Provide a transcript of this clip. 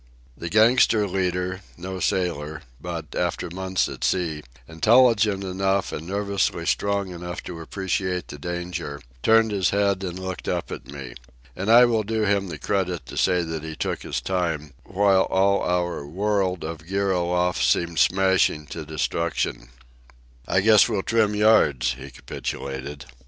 The gangster leader, no sailor, but, after months at sea, intelligent enough and nervously strong enough to appreciate the danger, turned his head and looked up at me. And I will do him the credit to say that he took his time while all our world of gear aloft seemed smashing to destruction. "I guess we'll trim yards," he capitulated.